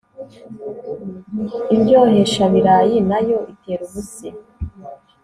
indyoheshabirayikuko na yo itera ubuse